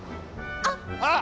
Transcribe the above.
あっ！